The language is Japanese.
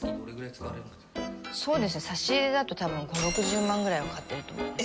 そうですね差し入れだと多分５０６０万ぐらいは買ってると思います。